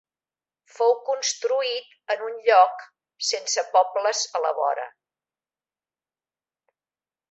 Fou construït en un lloc sense pobles a la vora.